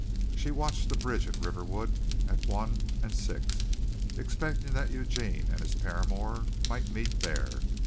She watched the bridge at Riverwood at one and six, expecting that Eugene and his paramour might meet there.